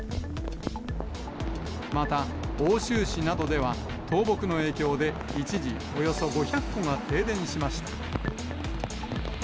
また、奥州市などでは倒木の影響で、一時およそ５００戸が停電しました。